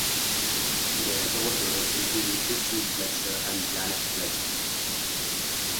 Their daughters included Christian Fletcher and Janet Fletcher.